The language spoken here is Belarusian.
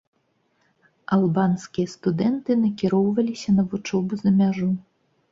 Албанскія студэнты накіроўваліся на вучобу за мяжу.